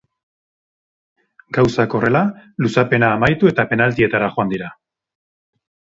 Gauzak horrela, luzapena amaitu eta penaltietara joan dira.